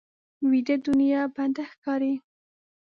ویده دنیا بنده ښکاري